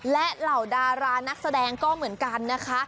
และเหล่าดารานักแสดงก็เหมือนกันนะคะ